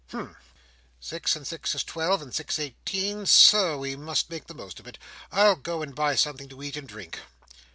"Humph! six and six is twelve, and six eighteen—so—we must make the most of it. I'll go buy something to eat and drink."